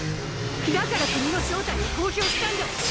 だから国の正体を公表したんだ！